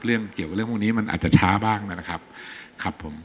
เรื่องเกี่ยวกับเรื่องพวกนี้มันอาจจะช้าบ้างนะครับครับผม